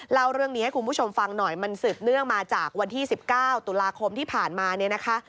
เล่าเรื่องนี้ให้คุณผู้ชมฟังหน่อยมันสืบเนื่องมาจากวันที่๑๙ตุลาคมที่ผ่านมาเนี่ยนะคะ